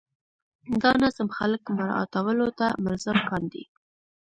دا نظام خلک مراعاتولو ته ملزم کاندي.